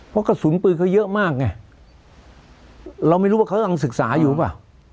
เพราะกระสุนปืนเค้าเยอะมากไงเราไม่รู้ว่าเค้าอังศึกษาอยู่ป่ะ